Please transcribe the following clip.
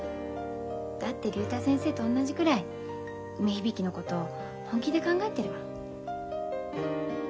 だって竜太先生と同じくらい梅響のこと本気で考えてるもん。